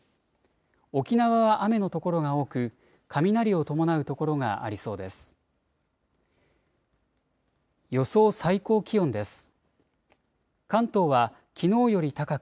沖縄は雨の所が多く雷を伴う所がありそうです。